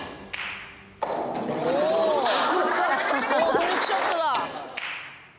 トリックショットだ！